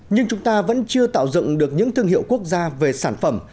nhưng chúng ta vẫn chưa tạo dựng được những thương hiệu quốc gia về sản phẩm